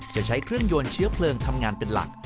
จะใช้เครื่องยนต์เชื้อเพลิงทำงานเป็นหลัก